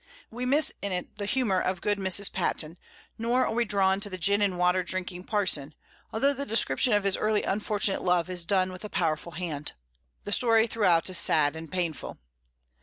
We miss in it the humor of good Mrs. Patten; nor are we drawn to the gin and water drinking parson, although the description of his early unfortunate love is done with a powerful hand. The story throughout is sad and painful.